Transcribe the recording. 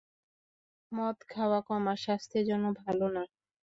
মদ খাওয়া কমা, স্বাস্থ্যের জন্য ভালো না।